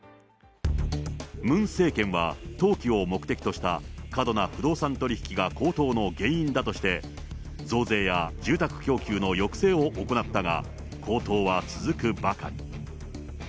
ムン政権は、投機を目的とした過度な不動産取り引きが高騰の原因だとして、増税や住宅供給の抑制を行ったが、高騰は続くばかり。